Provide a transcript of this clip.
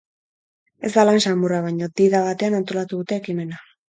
Ez da lan samurra, baina di-da batean antolatu dute ekimena.